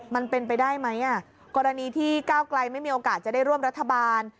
มันเป็นไปได้ไหมกรณีที่ก้าวไกลไม่มีโอกาสจะได้ร่วมรัฐบาล